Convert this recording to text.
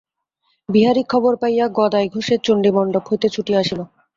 বিহারী খবর পাইয়া গদাই ঘোষের চণ্ডীমণ্ডপ হইতে ছুটিয়া আসিল।